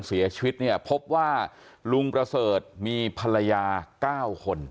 เสียชีวิตเนี่ยพบว่าลุงประเสริฐมีภรรยา๙คน